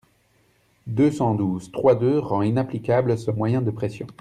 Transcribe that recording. deux cent douze-trois-deux rend inapplicable ce moyen de pression.